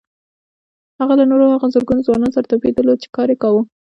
هغه له نورو هغو زرګونه ځوانانو سره توپير درلود چې کار يې کاوه.